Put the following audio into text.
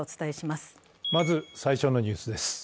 まず、最初のニュースです。